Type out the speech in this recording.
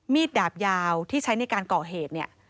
ดาบยาวที่ใช้ในการก่อเหตุเนี่ย